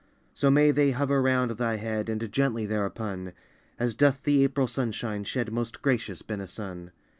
So may they hover round thy head And gently thereupon, As doth the April sunshine, shed Most gracious benison.